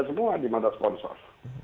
semua di mata sponsor